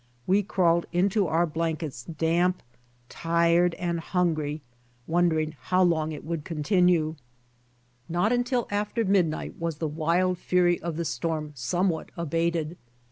We crawled into . our blankets damp, tired, and hungry, wondering how long it would continue. Not until after midnight was the wild fury of the storm somewhat abated.